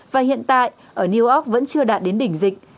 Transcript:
và hiện tại ở new york vẫn chưa đạt đến đỉnh dịch